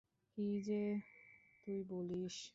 কী যে তুই বলিস!